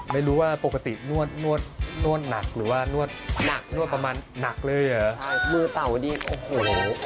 ไม่รู้ว่าปกตินวดหนักหรือว่านวดประมาณหนักเลยเหรอมือเต่าดีโอ้โห